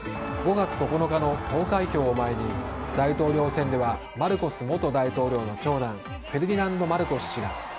５月９日の投開票を前に大統領選ではマルコス元大統領の長男フェルディナンド・マルコス氏が。